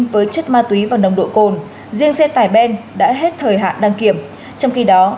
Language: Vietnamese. với chất ma túy và nồng độ cồn riêng xe tải ben đã hết thời hạn đăng kiểm trong khi đó